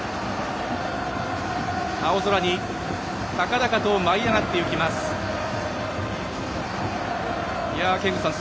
青空に高々と舞い上がっていきます。